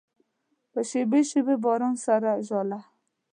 په شېبو، شېبو باران سره ژړله